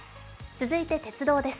続いて鉄道です。